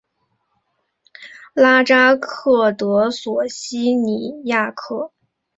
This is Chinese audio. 拉扎克德索西尼亚克。